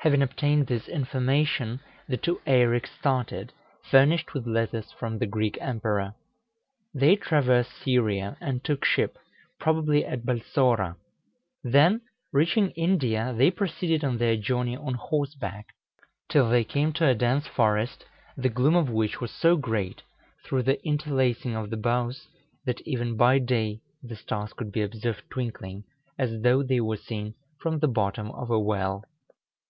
Having obtained this information, the two Eireks started, furnished with letters from the Greek Emperor. They traversed Syria, and took ship probably at Balsora; then, reaching India, they proceeded on their journey on horseback, till they came to a dense forest, the gloom of which was so great, through the interlacing of the boughs, that even by day the stars could be observed twinkling, as though they were seen from the bottom of a well.